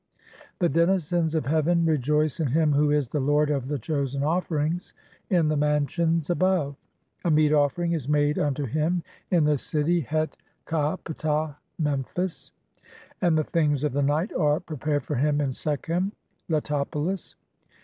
The denizens of heaven "rejoice in him who is the (3) lord of the chosen offerings in the "mansions above ; a meat offering is made unto him in the city "Het ka Ptah (Memphis) ; and the 'things of the night' are pre pared for him in Sekhem (Letopolis).